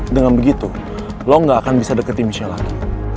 dengan begitu lo gak akan bisa deketi michelle lagi